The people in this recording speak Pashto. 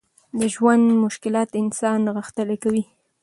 د ژوند مشکلات انسان غښتلی کوي.